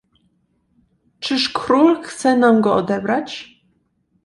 "czyż król chce nam go odebrać?"